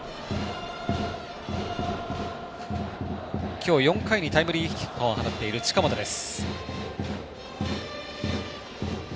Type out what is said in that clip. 今日、４回にタイムリーヒットを放っている近本です。